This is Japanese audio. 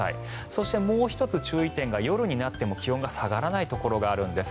そして、もう１つ、注意点が夜になっても気温が下がらないところがあるんです。